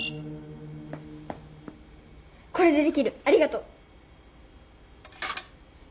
これでできるありがとう。